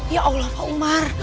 ya allah pak umar